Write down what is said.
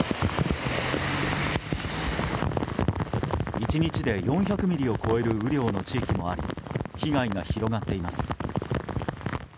１日で４００ミリを超える雨量の地域もあり被害が広がっています。